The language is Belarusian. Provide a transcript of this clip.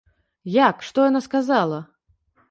Як, што яна сказала?